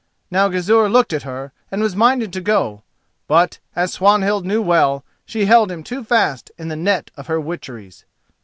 Now Gizur looked at her, and was minded to go; but, as Swanhild knew well, she held him too fast in the net of her witcheries.